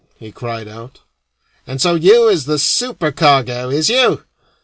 he cried out, "and so you is the supercargo, is you?